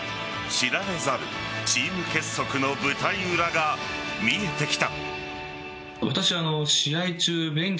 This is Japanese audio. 知られざるチーム結束の舞台裏が見えてきた。